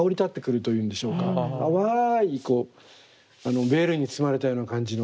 淡いベールに包まれたような感じのね。